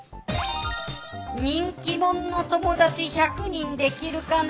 人気もんの友達１００人できるかな？